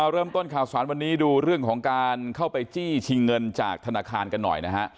เริ่มต้นข่าวสารวันนี้ดูเรื่องของการเข้าไปจี้ชิงเงินจากธนาคารกันหน่อยนะฮะ